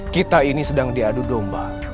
kita ini sedang diadu domba